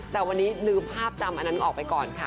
แต่วันนี้ลืมภาพจำอันนั้นออกไปก่อนค่ะ